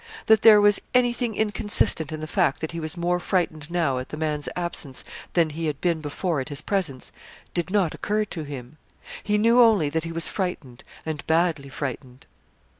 That there was anything inconsistent in the fact that he was more frightened now at the man's absence than he had been before at his presence, did not occur to him. He knew only that he was frightened, and badly frightened.